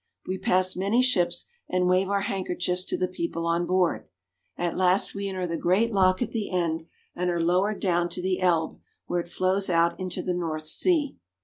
We pass many ships, and wave our handkerchiefs to the people on board. At last we enter the great lock at the end, and are lowered down to the Elbe, where it flows out into the North Sea.